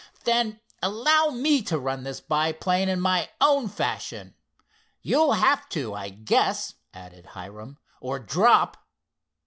"Then allow me to run this biplane in my own fashion. You'll have to, I guess," added Hiram, "or drop.